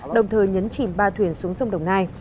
đồng thời nhấn chìm ba thuyền xuống sông đồng nai